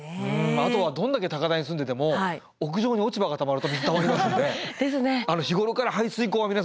あとはどんだけ高台に住んでても屋上に落ち葉がたまると水たまりますんで日頃から排水口は皆さんちゃんと掃除して下さい。